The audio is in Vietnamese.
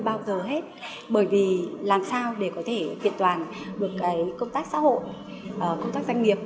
bao giờ hết bởi vì làm sao để có thể kiện toàn được công tác xã hội công tác doanh nghiệp